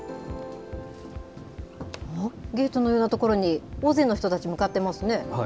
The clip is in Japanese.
ゲートのような所に大勢の人たち、向かってますね。